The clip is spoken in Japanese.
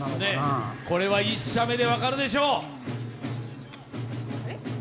これは１射目で分かるでしょう。